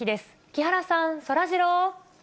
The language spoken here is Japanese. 木原さん、そらジロー。